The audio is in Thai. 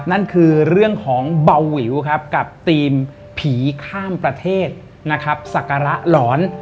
นั่นคือเรื่องของเบาวิวครับกับทีมผีข้ามประเทศนะครับศักระหลอน